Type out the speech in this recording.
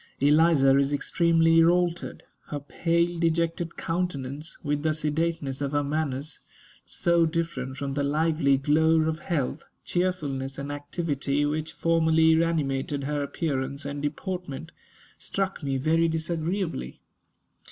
Eliza is extremely altered. Her pale, dejected countenance, with the sedateness of her manners, so different from the lively glow of health, cheerfulness, and activity which formerly animated her appearance and deportment, struck me very disagreeably.